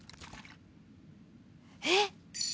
えっ？